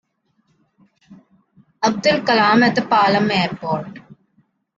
Abdul Kalam at the Palam Airport.